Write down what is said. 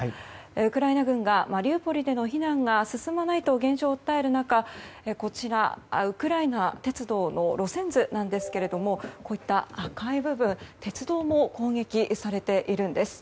ウクライナ軍がマリウポリでの避難が進まないと現状を訴える中ウクライナ鉄道の路線図ですがこうした赤い部分、鉄道も攻撃されているんです。